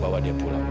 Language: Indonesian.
bawa dia pulang